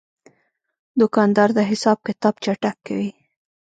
دوکاندار د حساب کتاب چټک کوي.